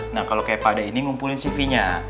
nah kalau kayak pak ade ini ngumpulin cv nya